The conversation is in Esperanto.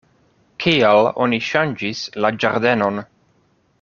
Kial oni ŝanĝis la ĝardenon?